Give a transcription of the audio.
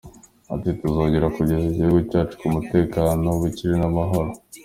Ati” Tuzongera kugeza igihugu cyacu ku mutekano, ubukire n’amahoro.